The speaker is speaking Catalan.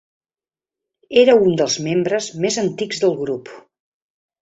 Era un dels membres més antics del grup.